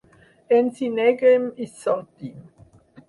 Ens hi neguem i sortim.